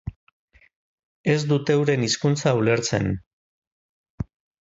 Ez dut euren hizkuntza ulertzen.